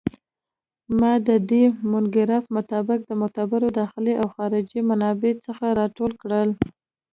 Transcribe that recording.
ما د دې مونوګراف مطالب د معتبرو داخلي او خارجي منابعو څخه راټول کړل